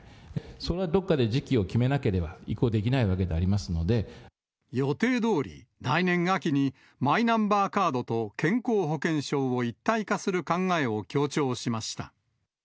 それはどっかで時期を決めなければ移行できないわけでありますの予定どおり、来年秋にマイナンバーカードと健康保険証を一体化する考えを強調しました。